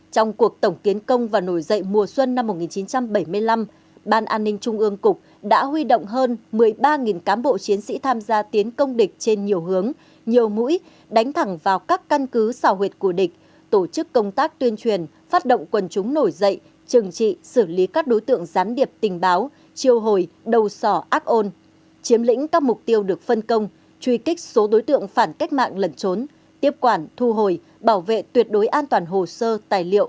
trong cuộc tổng kiến công và nổi dậy mùa xuân năm một nghìn chín trăm bảy mươi năm ban an ninh trung ương cục đã huy động hơn một mươi ba cán bộ chiến sĩ tham gia tiến công địch trên nhiều hướng nhiều mũi đánh thẳng vào các căn cứ xào huyệt của địch tổ chức công tác tuyên truyền phát động quân chúng nổi dậy trừng trị xử lý các đối tượng gián điệp tình báo triều hồi đầu sỏ ác ôn chiếm lĩnh các mục tiêu được phân công truy kích số đối tượng phản cách mạng lần trốn tiếp quản thu hồi bảo vệ tuyệt đối an toàn hồ sơ tài liệu